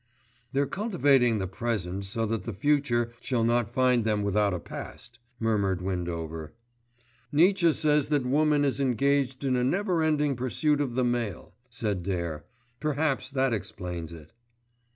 "They're cultivating the present so that the future shall not find them without a past," murmured Windover. "Nietzsche says that woman is engaged in a never ending pursuit of the male," said Dare. "Perhaps that explains it."